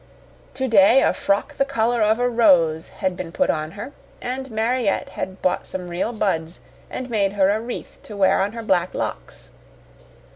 Today a frock the color of a rose had been put on her, and Mariette had bought some real buds and made her a wreath to wear on her black locks.